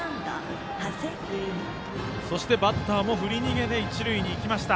そしてバッターも振り逃げで一塁に行きました。